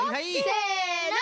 せの！